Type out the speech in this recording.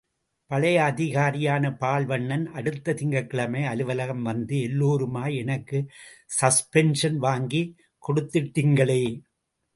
பழைய அதிகாரியான பால் வண்ணன், அடுத்த திங்கட்கிழமை அலுவலகம் வந்து எல்லோருமாய் எனக்கு சஸ்பென்ஷன் வாங்கிக் கொடுத்துட்டிங்களே.